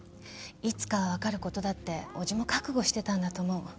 いつかは分かることだって伯父も覚悟してたんだと思う。